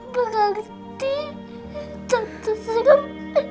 berarti tante seram